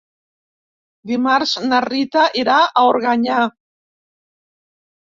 Dimarts na Rita irà a Organyà.